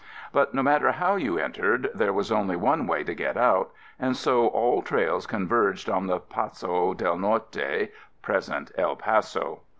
But no matter how you entered, there was only one way to get out, and so all trails converged on the Paso del Norte (present El Paso).